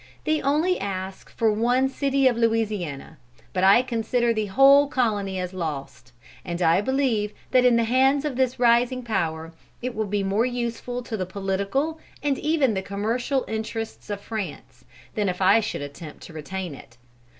They only ask for one city of Louisiana; but I consider the whole colony as lost. And I believe that in the hands of this rising power, it will be more useful to the political and even the commercial interests of France, than if I should attempt to retain it.